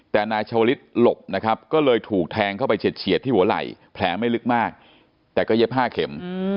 แต่นายชาวลิศหลบนะครับก็เลยถูกแทงเข้าไปเฉียดที่หัวไหล่แผลไม่ลึกมากแต่ก็เย็บ๕เข็ม